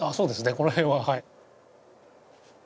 この辺ははい。